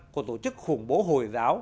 của tổ chức khủng bố hồi giáo